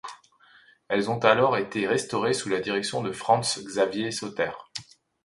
Elles ont été alors restaurées sous la direction de Franz Xaver Sauter.